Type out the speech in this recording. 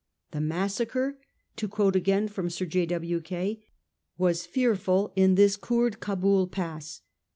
' The massacre '— to quote again from Sir J. W. Kaye, ' was fearful in this Koord Cabul Pass.